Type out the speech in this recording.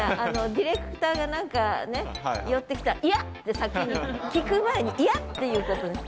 ディレクターが何かね寄ってきたら「嫌！」って先に聞く前に「嫌！」って言うことに。